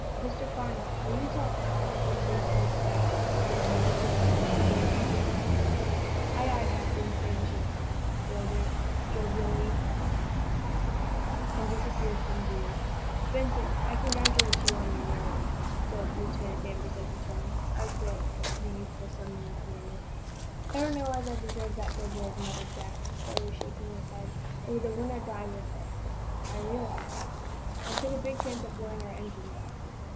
"Mr. Farnum, will you tell Hal, whenever he thinks best, to slow down to mere headway?" "Aye, aye, Captain," sang the shipbuilder, jovially, and disappeared from view. "Benson, I congratulate you on your nerve," spoke Lieutenant Danvers, as he turned, his eyes glowing, to the youthful submarine commander. "I don't know as I deserve that good word," muttered Jack, slowly, shaking his head. "It was win or die with us." "I realize that." "And I took a big chance of blowing our engines out."